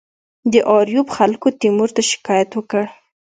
د آریوب خلکو تیمور ته شکایت وکړ.